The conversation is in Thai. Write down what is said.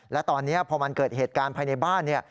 และตอนนี้พอมันเกิดเหตุการณ์ภายในบ้าน